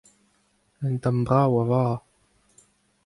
Un tamm brav a vara.